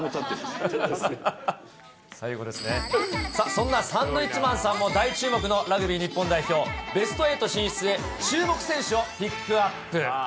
そんなサンドウィッチマンさんも大注目のラグビー日本代表、ベスト８進出へ、注目選手をピックアップ。